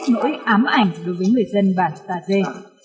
nỗi ám ảnh đối với người dân bản sa dê